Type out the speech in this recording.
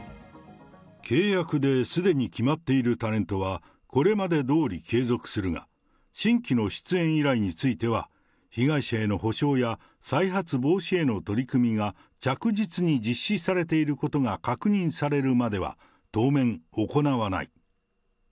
契約ですでに決まっているタレントはこれまでどおり継続するが、新規の出演依頼については被害者への補償や再発防止への取り組みが着実に実施されていることが確認されるまでは当面、行わない。